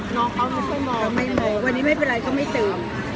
น้องเขาไม่ค่อยมองไม่มองวันนี้ไม่เป็นไรเขาไม่เติบ